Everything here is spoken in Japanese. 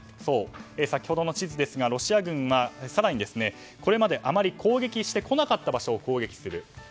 先ほどの地図ですがロシア軍が更にこれまであまり攻撃してこなかった場所を攻撃する。